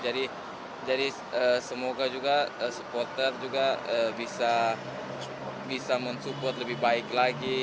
jadi semoga juga supporter juga bisa men support lebih baik lagi